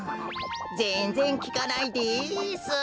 ぜんぜんきかないです。